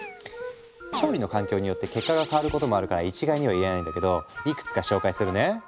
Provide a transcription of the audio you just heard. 調理の環境によって結果が変わることもあるから一概には言えないんだけどいくつか紹介するね。